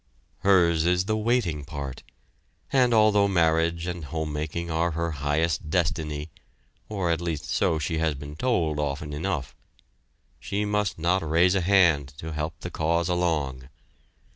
Hers is the waiting part, and although marriage and homemaking are her highest destiny, or at least so she has been told often enough she must not raise a hand to help the cause along.